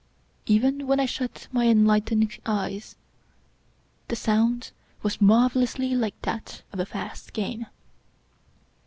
Even when I shut my enlightened eyes the sound was marvelously like that of a fast game.